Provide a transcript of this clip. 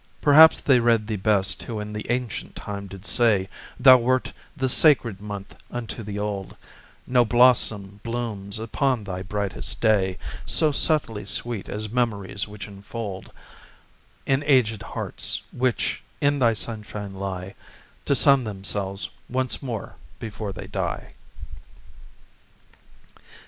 Perhaps they read Thee best who in the ancient time did say Thou wert the sacred month unto the old: No blossom blooms upon thy brightest day So subtly sweet as memories which unfold In aged hearts which in thy sunshine lie, To sun themselves once more before they die.